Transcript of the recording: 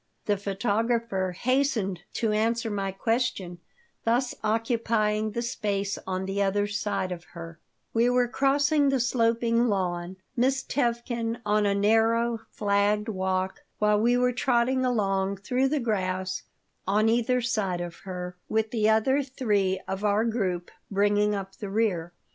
The photographer hastened to answer my question, thus occupying the place on the other side of her We were crossing the sloping lawn, Miss Tevkin on a narrow flagged walk, while we were trotting along through the grass on either side of her, with the other three of our group bringing up the rear.